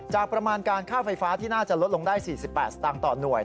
ประมาณการค่าไฟฟ้าที่น่าจะลดลงได้๔๘สตางค์ต่อหน่วย